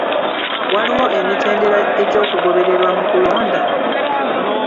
Waliwo emitendera egy'okugobererwa mu kulonda?